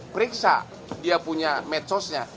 periksa dia punya medsosnya